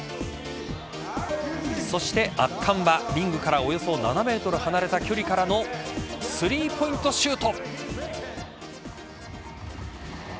そして、圧巻はリングからおよそ７ｍ離れた距離からのスリーポイントシュート。